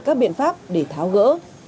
các biện pháp để tháo gỡ